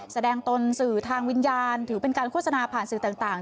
ตนสื่อทางวิญญาณถือเป็นการโฆษณาผ่านสื่อต่าง